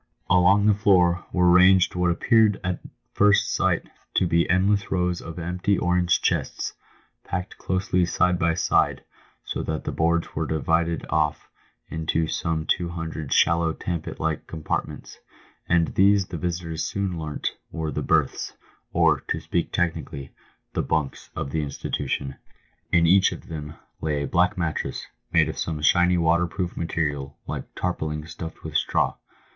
Along the floor were ranged what appeared at first sight to be endless rows of empty orange chests, packed closely side by side, so that the boards were divided off into some two hundred shallow tanpit like compartments ; and these, the visitors soon learnt, were the berths, or, to speak technically, the " bunks" of the institution. In each of them lay a black mattress, made of some shiny waterproof material, like tarpauling stuffed with straw.